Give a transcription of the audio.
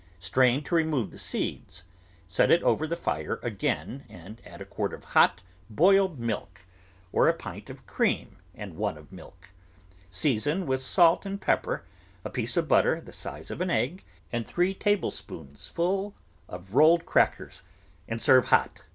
Strain to remove the seeds. Set it over the fire again and add a quart of hot, boiled milk, or a pint of cream and one of milk; season with salt and pepper, a piece of butter the size of an egg, and three tablespoon fuls of rolled crackers, and serve hot.